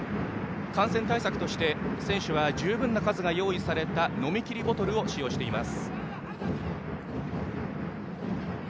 感染対策として選手は十分な数が用意された飲みきりボトルを使用しています。